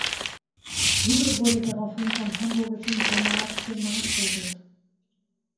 Hübbe wurde daraufhin vom hamburgischen Senat gemaßregelt.